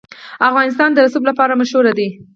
افغانستان د رسوب لپاره مشهور دی.